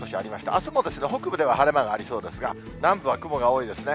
あすも北部では晴れ間がありそうですが、南部は雲が多いですね。